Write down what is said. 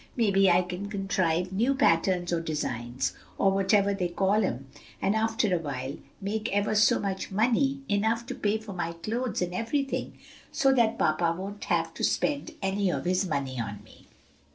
Maybe I can contrive new patterns or designs, or whatever they call 'em, and after a while make ever so much money, enough to pay for my clothes and everything, so that papa won't have to spend any of his money on me."